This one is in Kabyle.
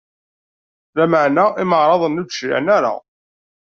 Lameɛna imeɛraḍen-nni ur d-cliɛen ara.